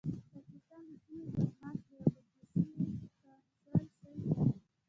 پاکستان د سيمې بدمعاش دی او بدمعاشي يې سپانسر شوې ده.